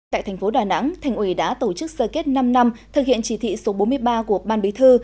tại thành phố đà nẵng thành ủy đã tổ chức sơ kết năm năm thực hiện chỉ thị số bốn mươi ba của ban bí thư